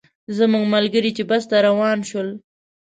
زموږ ملګري چې بس ته روان شول.